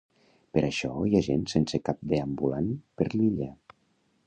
Per això hi ha gent sense cap deambulant per l'illa.